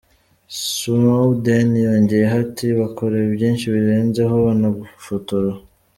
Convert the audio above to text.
Snowden yongeyeho ati “ Bakora byinshi birenzeho, banagufotora.